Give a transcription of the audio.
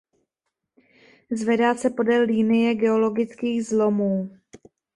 Zvedá se podél linie geologických zlomů.